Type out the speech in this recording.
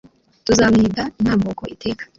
tuzamwiga intambuko iteka